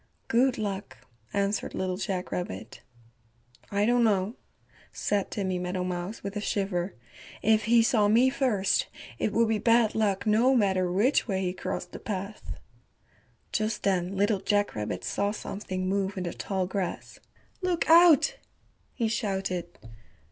"Good luck," answered Little Jack Rabbit. "I don't know," said Timmy Meadowmouse with a shiver, "if he saw me first, it would be bad luck no matter which way he crossed the path." Just then Little Jack Rabbit saw something move in the tall grass. "Look out," he shouted.